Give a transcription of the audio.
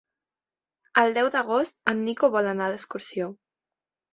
El deu d'agost en Nico vol anar d'excursió.